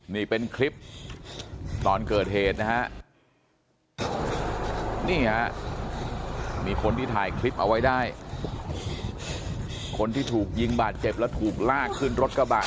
นี่เป็นคลิปตอนเกิดเหตุนะฮะมีคนที่ถ่ายคลิปเอาไว้ได้คนที่ถูกยิงบาดเจ็บแล้วถูกลากขึ้นรถกระบะ